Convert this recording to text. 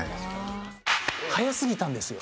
早すぎたんですよ。